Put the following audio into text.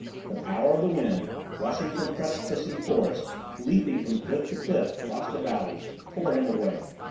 The power of the wind, rushing from precipice and forest, leaping from cliff to cliff across the valleys, tore him away....